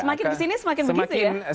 semakin kesini semakin begitu ya